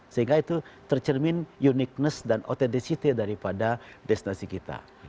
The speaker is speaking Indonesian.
sehingga itu tercermin uniqueness dan autendesity daripada destinasi kita